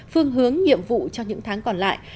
phương hướng nhiệm vụ cho những tháng còn lại